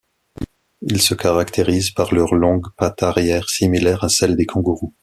Ils se caractérisent par leurs longues pattes arrière similaires à celles des kangourous.